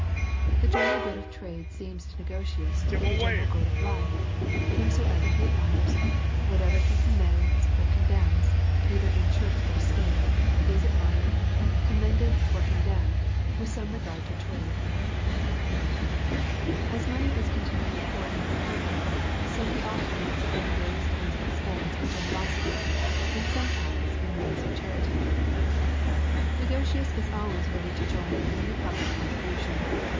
The general good of trade seems to Negotius to be the ge neral good of life; whomsoever he admires, whatever he commends or condemns either in church or state, is admired, commended^ or condemned, with some re gard to trade. 154 A SERIOUS CALL TO A As money is continually pouring in upon him, so he often lets it go in various kinds of expense and gene rosity, and sometimes in ways of charity. Negotius is always ready to join in any public con tribution.